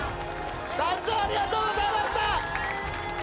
団長ありがとうございました！